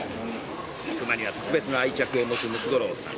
熊には特別な愛着を持つムツゴロウさん。